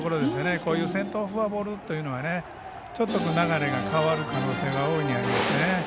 こういう先頭フォアボールっていうのはちょっと流れが変わる可能性が大いにありますね。